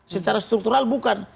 secara struktural bukan